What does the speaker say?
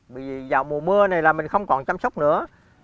bởi vì vào mùa mưa này là mình không còn chăm sóc nữa